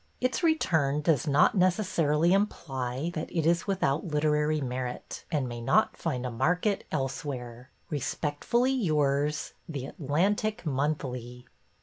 Its return does not necessarily imply that it is without literary merit and may not find a market elsewhere. Respectfully yours. The Atlantic Monthly.